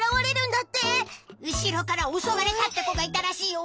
うしろからおそわれたってこがいたらしいよ。